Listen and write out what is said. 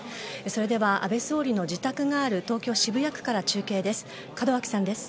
それでは、安倍総理の自宅がある東京・渋谷区から中継です。